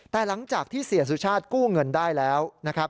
แต่หลังจากที่เสียสู่ชาติกู้เงินได้แล้ว